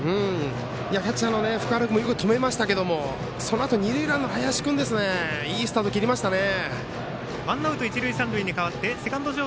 キャッチャーの福原君も止まりましたけどそのあと二塁ランナーの林君いいスタート切りましたね。